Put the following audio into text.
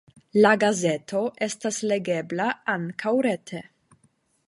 La gazeto estas legebla ankaŭ rete.